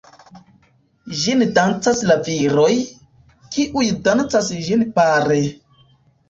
Ĝin dancas la viroj, kiuj dancas ĝin pare.